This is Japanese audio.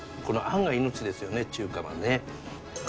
このあんが命ですよね中華はね。